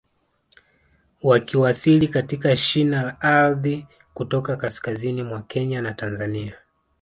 Wakiwasili katika shina la ardhi kutoka kaskazini mwa Kenya na Tanzania